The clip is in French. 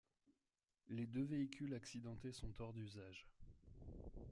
Les deux véhicules accidentés sont hors d'usage.